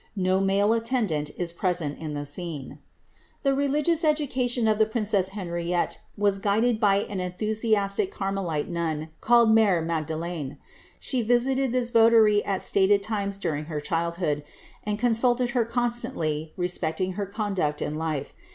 No male attendant in prenent in the scene. The religious education of the princess Henriette was guided by an enthusiastic Carmelite nun, called Mere Magdelaine. She visited this votary at stated times during her childhood, and consulted her constantly respecting her conduct in life.